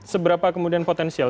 seberapa kemudian potensial